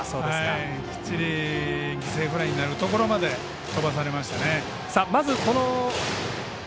きっちり犠牲フライになるところまで飛ばされましたね。